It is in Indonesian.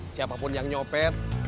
siapapun yang nyopet